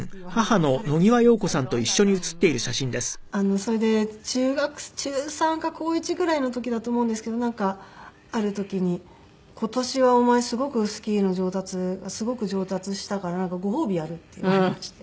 それで中３か高１ぐらいの時だと思うんですけどなんかある時に「今年はお前すごくスキーの上達すごく上達したからご褒美やる」って言われまして。